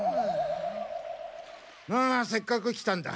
まあせっかく来たんだ。